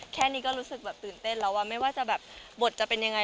แค่นี้ก็รู้สึกแบบตื่นเต้นแล้วว่าไม่ว่าจะแบบบทจะเป็นยังไง